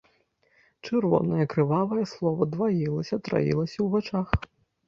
Чырвонае крывавае слова дваілася, траілася ў вачах.